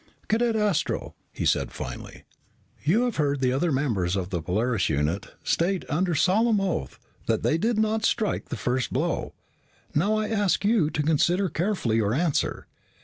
"Cadet Astro," he said finally, "you have heard the other members of the Polaris unit state, under solemn oath, that they did not strike the first blow. Now, I ask you to consider carefully your answer.